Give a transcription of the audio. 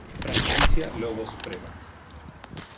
Franquicia Lobos Prepa